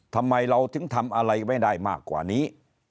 ทำไมเราถึงทำอะไรไม่ได้มากกว่านี้